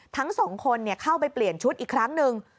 ทั้งสองคนเข้าไปเปลี่ยนชุดอีกครั้งหนึ่ง